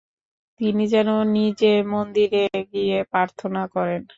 তিনি যেন নিজে মন্দিরে গিয়ে প্রার্থনা করেন।